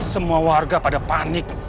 semua warga pada panik